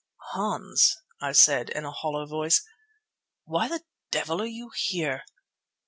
"Hans," I said in a hollow voice, "why the devil are you here?"